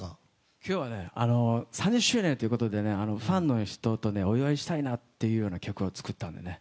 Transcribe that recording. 今日は３０周年ということでファンの人とお祝いしたいなというような曲を作ったので。